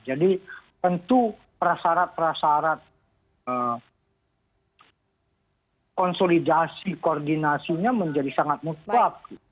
jadi tentu perasarat perasarat konsolidasi koordinasinya menjadi sangat mutlak